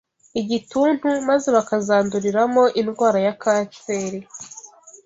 igituntu maze bakazanduriramo indwara ya kanseri